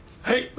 はい。